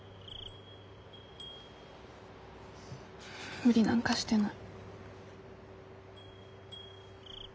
無理なんかしてない。